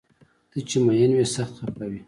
ته چې مین وي سخت خفه وي